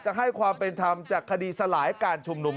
ให้ความเป็นธรรมจากคดีสลายการชุมนุม